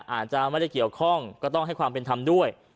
อาจจะไม่ได้เกี่ยวข้องก็ต้องให้ความเป็นธรรมด้วย